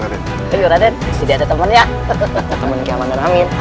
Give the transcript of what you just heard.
raden tidak ada teman ya